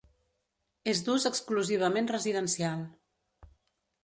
És d'ús exclusivament residencial.